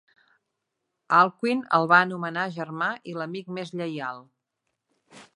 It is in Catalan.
Alcuin el va anomenar germà i l'amic més lleial.